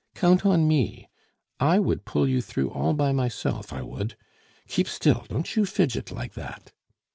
Count on me; I would pull you through all by myself, I would! Keep still, don't you fidget like that."